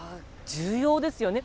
重要ですよね。